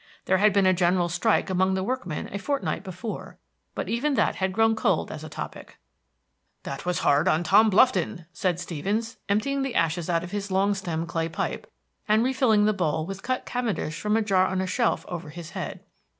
There had been a general strike among the workmen a fortnight before; but even that had grown cold as a topic. "That was hard on Tom Blufton," said Stevens, emptying the ashes out of his long stemmed clay pipe, and refilling the bowl with cut cavendish from a jar on a shelf over his head.